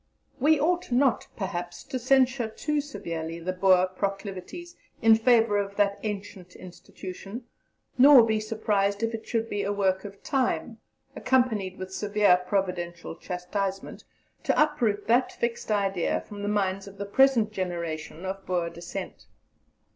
We ought not, perhaps, to censure too severely the Boer proclivities in favour of that ancient institution, nor to be surprised if it should be a work of time, accompanied with severe Providential chastisement, to uproot that fixed idea from the minds of the present generation, of Boer descent.